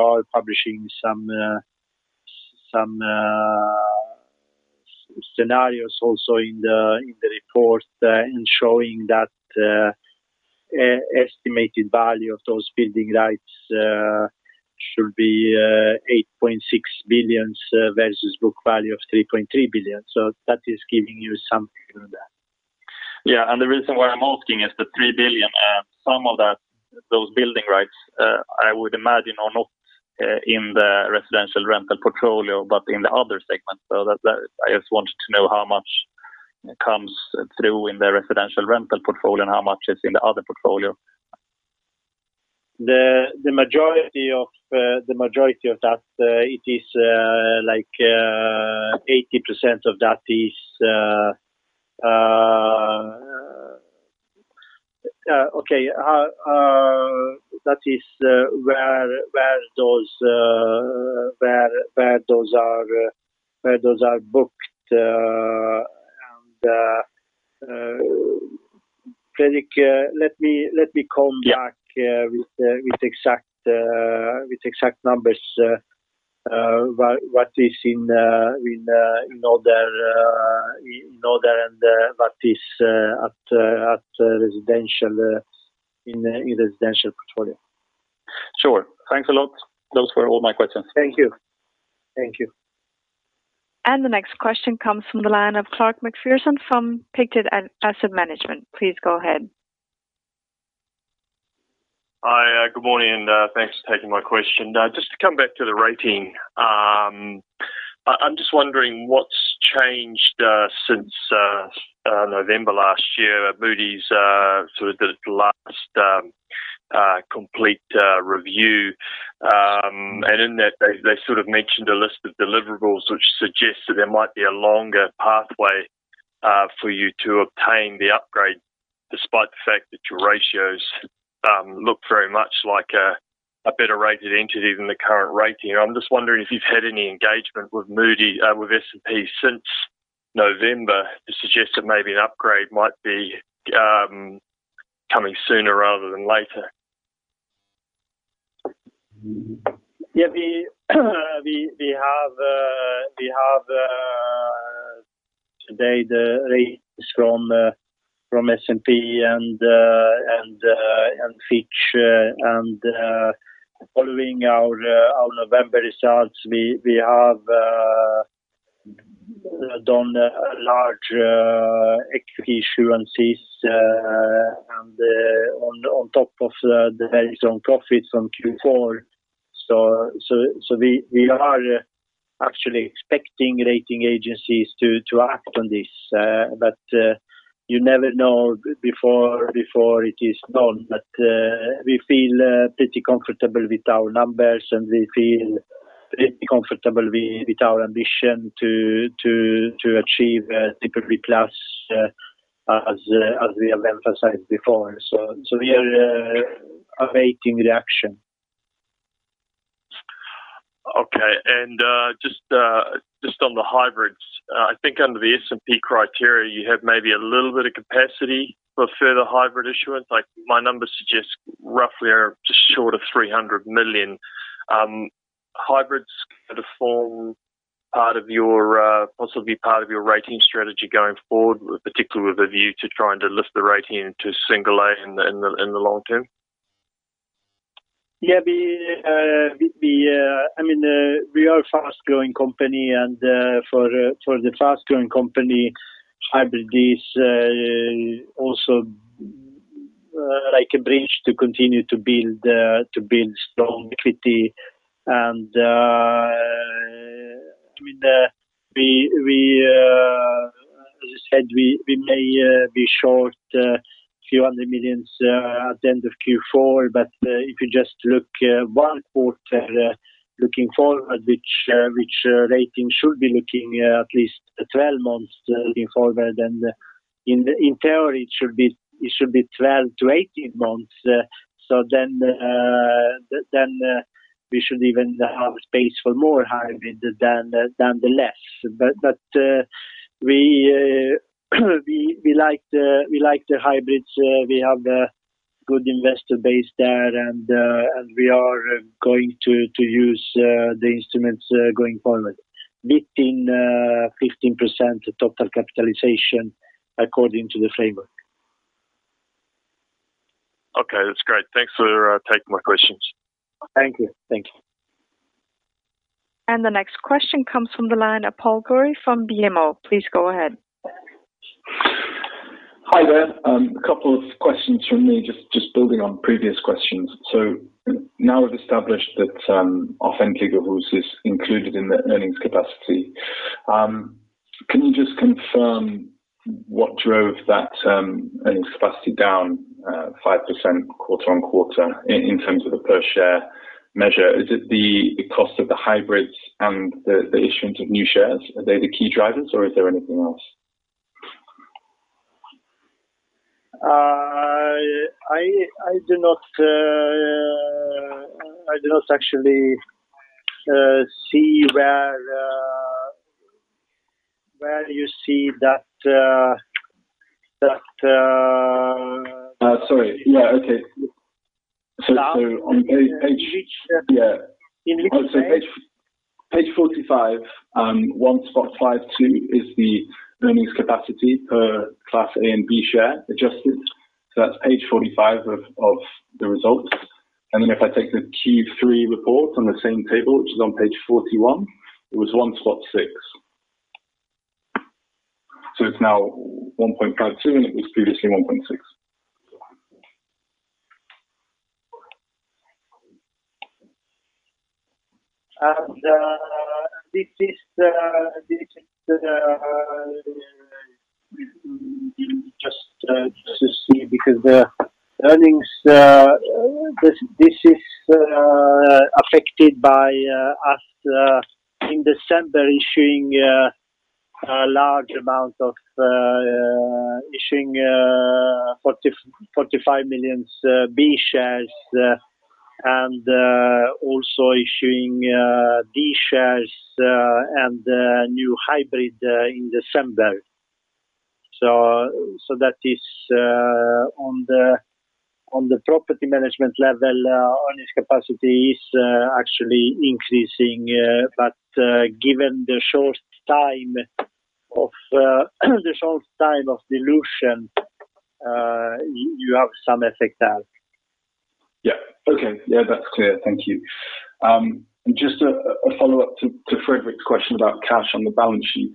are publishing some scenarios also in the report in showing that estimated value of those building rights should be 8.6 billion versus book value of 3.3 billion. That is giving you something like that. Yeah. The reason why I'm asking is the 3 billion, some of those building rights, I would imagine, are not in the residential rental portfolio, but in the other segment. I just wanted to know how much comes through in the residential rental portfolio and how much is in the other portfolio. The majority of that, it is like 80% of that is Okay. That is where those are booked. Fredrik, let me come back- Yeah with exact numbers, what is in order and what is in residential portfolio. Sure. Thanks a lot. Those were all my questions. Thank you. The next question comes from the line of Clark McPherson from Pictet Asset Management. Please go ahead. Hi, good morning. Thanks for taking my question. Just to come back to the rating. I'm just wondering what's changed since November last year. Moody's sort of did its last complete review. In that they sort of mentioned a list of deliverables, which suggests that there might be a longer pathway for you to obtain the upgrade despite the fact that your ratios look very much like a better-rated entity than the current rating. I'm just wondering if you've had any engagement with S&P since November to suggest that maybe an upgrade might be coming sooner rather than later. Yeah. We have today the ratings from S&P and Fitch. Following our November results, we have done large equity issuances and on top of the very strong profits from Q4. We are actually expecting rating agencies to act on this. You never know before it is done. We feel pretty comfortable with our numbers, and we feel pretty comfortable with our ambition to achieve BBB+, as we have emphasized before. We are awaiting reaction. Okay. Just on the hybrids, I think under the S&P criteria, you have maybe a little bit of capacity for further hybrid issuance. My numbers suggest roughly or just short of 300 million. Hybrids could form possibly part of your rating strategy going forward, particularly with a view to trying to lift the rating to single A in the long term. Yeah. We are a fast-growing company. For the fast-growing company, hybrid is also like a bridge to continue to build strong equity. As I said, we may be short a few hundred million SEK at the end of Q4. If you just look one quarter looking forward, which rating should be looking at least 12 months looking forward, in theory it should be 12 to 18 months. We should even have space for more hybrid than the less. We like the hybrids. We have a good investor base there. We are going to use the instruments going forward. 15% total capitalization according to the framework. Okay, that's great. Thanks for taking my questions. Thank you. The next question comes from the line of Paul Curry from BMO. Please go ahead. Hi there. A couple of questions from me, just building on previous questions. Now we've established that Offentliga Hus is included in the earnings capacity. Can you just confirm what drove that earnings capacity down 5% quarter-on-quarter in terms of the per share measure? Is it the cost of the hybrids and the issuance of new shares? Are they the key drivers or is there anything else? I do not actually see where you see that. Sorry. Yeah, okay. Which page? Yeah. In which page? Page 45, 1.52 is the earnings capacity per class A and B share adjusted. That's page 45 of the results. If I take the Q3 report on the same table, which is on page 41, it was 1.6. It's now 1.52, and it was previously 1.6. This is just to see, because the earnings, this is affected by us in December issuing a large amount of 45 million B shares, and also issuing D shares, and new hybrid in December. That is on the property management level, earnings capacity is actually increasing. Given the short time of dilution, you have some effect there. Yeah. Okay. Yeah, that's clear. Thank you. Just a follow-up to Fredrik's question about cash on the balance sheet.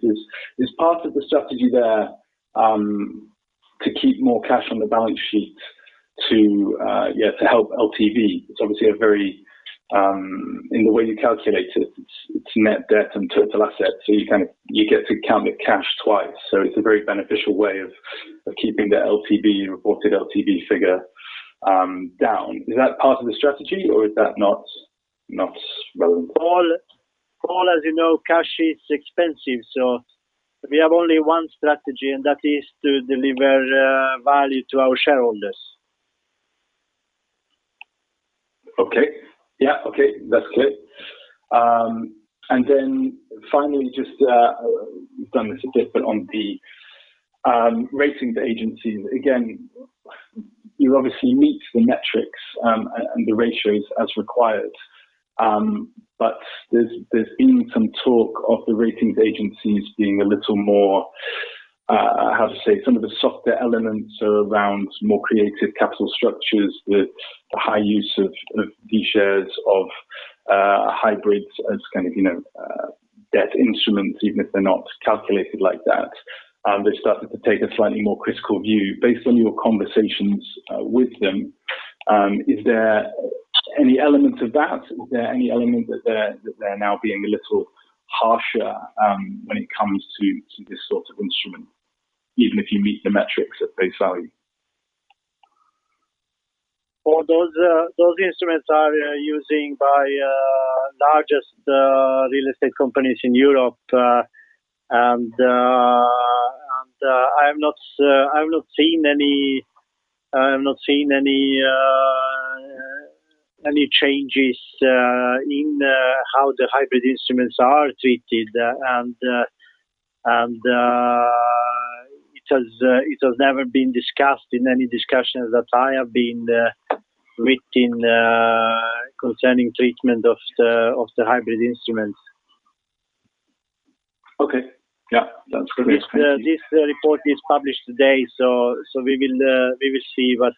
Is part of the strategy there to keep more cash on the balance sheet to help LTV? It's obviously a very, in the way you calculate it's net debt and total assets, so you get to count the cash twice. It's a very beneficial way of keeping the LTV, reported LTV figure down. Is that part of the strategy or is that not relevant? Paul, as you know, cash is expensive, so we have only one strategy, and that is to deliver value to our shareholders. Okay. Yeah. Okay. That's clear. Then finally, just, we've done this a bit, but on the ratings agencies, again, you obviously meet the metrics and the ratios as required. There's been some talk of the ratings agencies being a little more, how to say, some of the softer elements are around more creative capital structures with the high use of B shares, of hybrids as kind of debt instruments, even if they're not calculated like that. They're starting to take a slightly more critical view. Based on your conversations with them, is there any element of that? Is there any element that they're now being a little harsher when it comes to this sort of instrument, even if you meet the metrics at face value? Those instruments are used by largest real estate companies in Europe. I have not seen any changes in how the hybrid instruments are treated. It has never been discussed in any discussions that I have been within concerning treatment of the hybrid instruments. Okay. Yeah. That's great. Thank you. This report is published today. We will see what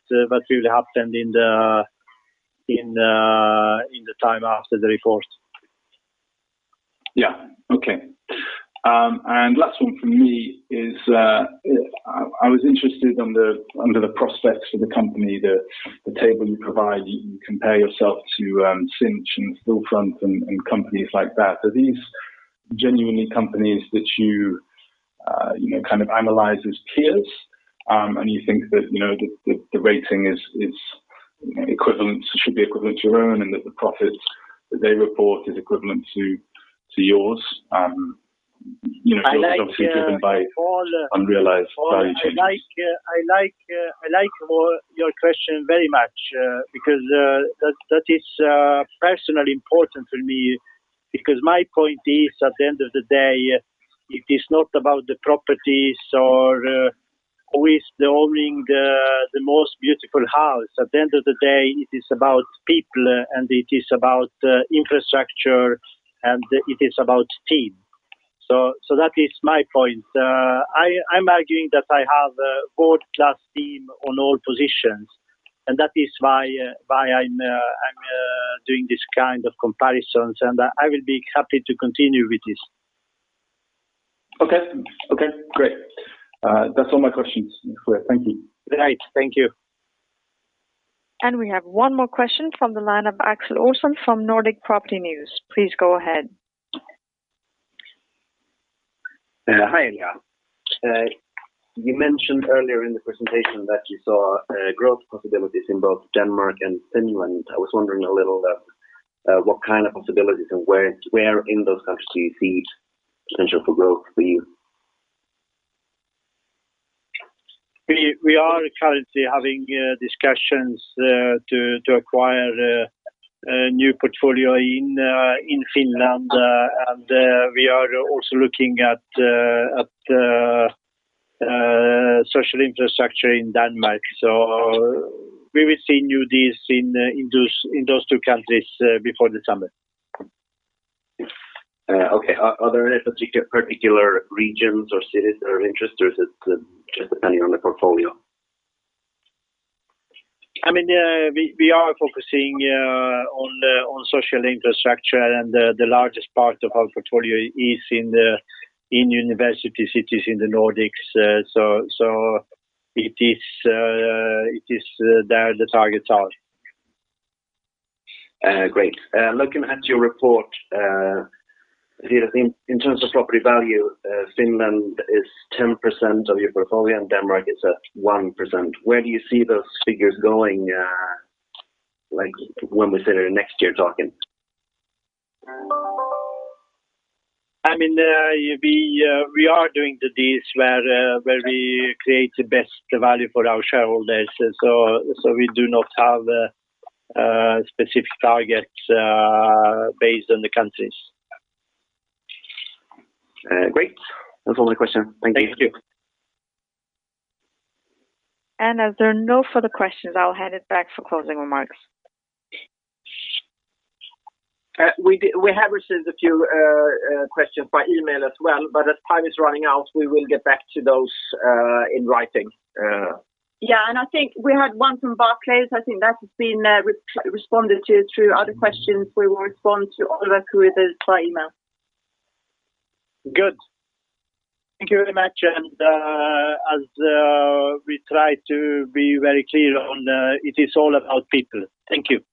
will happen in the time after the report. Yeah. Okay. Last one from me is, I was interested under the prospects for the company, the table you provide, you compare yourself to Sinch and Stillfront and companies like that. Are these genuinely companies that you kind of analyze as peers, and you think that the rating should be equivalent to your own, and that the profits that they report is equivalent to yours? Yours is obviously driven by unrealized value changes. I like your question very much. That is personally important for me, because my point is, at the end of the day, it is not about the properties or who is owning the most beautiful house. At the end of the day, it is about people, and it is about infrastructure, and it is about team. That is my point. I'm arguing that I have a world-class team in all positions, and that is why I'm doing these kinds of comparisons, and I will be happy to continue with this. Okay, great. That's all my questions. Thank you. Great. Thank you. We have one more question from the line of Axel Olson from Nordic Property News. Please go ahead. Hi, Ilija. You mentioned earlier in the presentation that you saw growth possibilities in both Denmark and Finland. I was wondering a little what kind of possibilities and where in those countries do you see potential for growth for you? We are currently having discussions to acquire a new portfolio in Finland, and we are also looking at social infrastructure in Denmark. We will see new deals in those two countries before the summer. Okay. Are there any particular regions or cities that are of interest, or is it just depending on the portfolio? We are focusing on social infrastructure, and the largest part of our portfolio is in university cities in the Nordics. It is there the targets are. Great. Looking at your report, in terms of property value, Finland is 10% of your portfolio, and Denmark is at 1%. Where do you see those figures going when we sit here next year talking? We are doing the deals where we create the best value for our shareholders. We do not have specific targets based on the countries. Great. That's all my questions. Thank you. Thank you. As there are no further questions, I'll hand it back for closing remarks. We have received a few questions by email as well. As time is running out, we will get back to those in writing. Yeah, I think we had one from Barclays. I think that has been responded to through other questions. We will respond to all of our queries by email. Good. Thank you very much, and as we try to be very clear, it is all about people. Thank you.